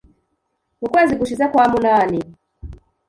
Mu kwezi gushize kwa munani,